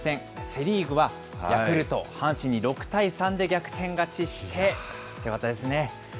セ・リーグはヤクルト、阪神に６対３で逆転勝ちして、強かったですね。